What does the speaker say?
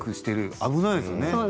危ないですよね。